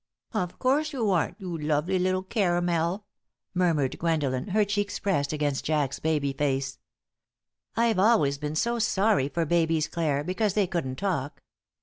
"Of course 'oo aren't, 'oo lovely 'ittle caramel," murmured Gwendolen, her cheeks pressed against Jack's baby face. "I've always been so sorry for babies, Clare, because they couldn't talk.